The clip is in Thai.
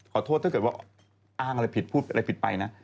ถ้าเกิดว่าอ้างอะไรผิดพูดอะไรผิดไปนะ